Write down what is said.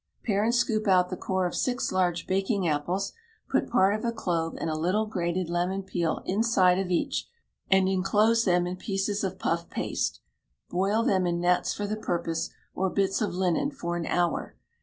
Pare and scoop out the core of six large baking apples; put part of a clove and a little grated lemon peel inside of each, and enclose them in pieces of puff paste; boil them in nets for the purpose, or bits of linen, for an hour.